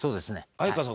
哀川さん